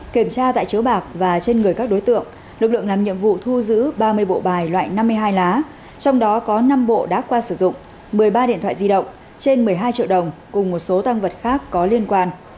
kiểm tra tại chiếu bạc và trên người các đối tượng lực lượng làm nhiệm vụ thu giữ ba mươi bộ bài loại năm mươi hai lá trong đó có năm bộ đã qua sử dụng một mươi ba điện thoại di động trên một mươi hai triệu đồng cùng một số tăng vật khác có liên quan